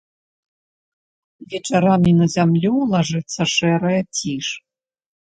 Вечарамі на зямлю лажыцца шэрая ціш.